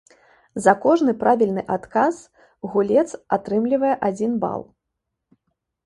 За кожны правільны адказ гулец атрымлівае адзін бал.